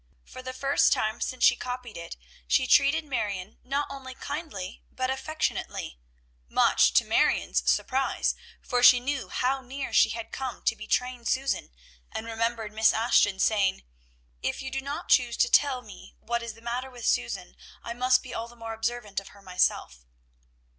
For the first time since she copied it, she treated Marion not only kindly but affectionately, much to Marion's surprise, for she knew how near she had come to betraying Susan, and remembered Miss Ashton's saying, "If you do not choose to tell me what is the matter with Susan, I must be all the more observant of her myself."